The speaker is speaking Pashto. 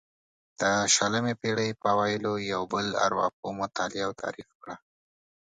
د شلمې پېړۍ په اوایلو یو بل ارواپوه مطالعه او تعریف کړه.